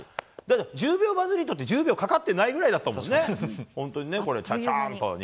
１０秒バズリートだけど１０秒かかってないぐらいだったからね。